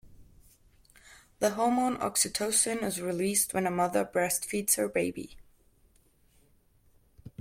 The hormone oxytocin is released when a mother breastfeeds her baby.